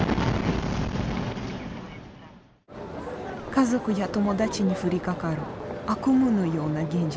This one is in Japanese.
家族や友達に降りかかる悪夢のような現実。